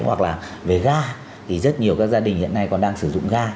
hoặc là về ga thì rất nhiều các gia đình hiện nay còn đang sử dụng ga